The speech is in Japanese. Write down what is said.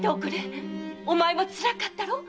お前もつらかったろう？〕